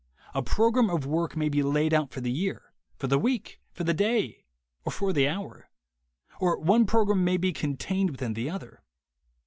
A program of work may be laid out for the year, for the week, for the day or for the hour; or one program may be contained within the other.